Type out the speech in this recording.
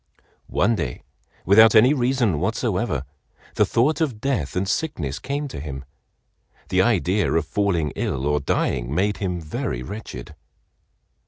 One day, without any reason whatsoever, the thought of death and sickness came to him. The idea of falling ill or dying made him very wretched.